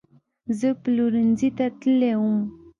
زه پلورنځۍ ته تللې وم